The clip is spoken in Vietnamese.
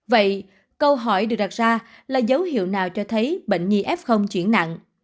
vậy câu hỏi được đặt ra là dấu hiệu nào cho thấy bệnh nhi f chuyển nặng